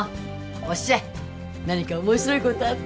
おっしゃい何か面白いことあった？